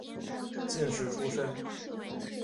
进士出身。